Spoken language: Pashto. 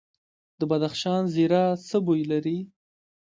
د بدخشان زیره څه بوی لري؟